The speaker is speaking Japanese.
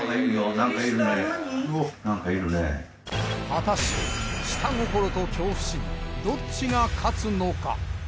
果たして下心と恐怖心どっちが勝つのか？